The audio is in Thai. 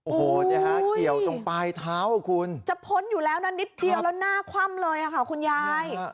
โอ้โหเกี่ยวตรงปลายเท้าอ่ะคุณจะพ้นอยู่แล้วนะนิดเดียวแล้วหน้าคว่ำเลยค่ะคุณยาย